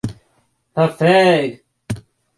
The Fig.